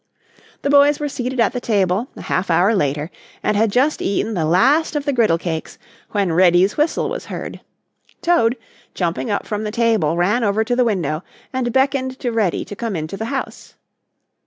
The boys were seated at the table, a half hour later, and had just eaten the last of the griddle cakes, when Reddy's whistle was heard. Toad, jumping up from the table, ran over to the window and beckoned to Reddy to come into the house.